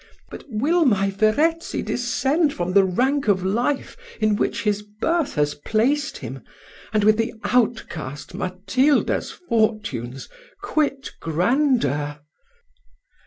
But will my Verezzi descend from the rank of life in which his birth has placed him, and with the outcast Matilda's fortunes quit grandeur?"